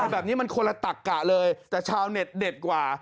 แบบนี้มันคนละตักกะเลยแต่ชาวเน็ตเด็ดกว่า